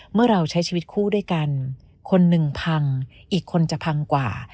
เมื่อเราใช้ชีวิตคู่ด้วยกันคนหนึ่งพังอีกคนจะพังกว่า